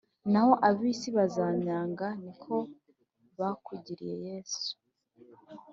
Naho abisi bazanyanga niko bakugiriye yesu